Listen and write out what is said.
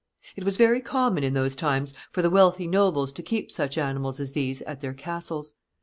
It was very common in those times for the wealthy nobles to keep such animals as these at their castles.